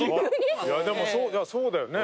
でもそうそうだよね。